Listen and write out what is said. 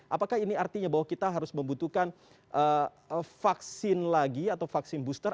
apakah ini artinya bahwa kita harus membutuhkan vaksin lagi atau vaksin booster